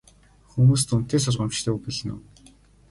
Хүмүүст үнэтэй сургамжтай үг хэлнэ үү?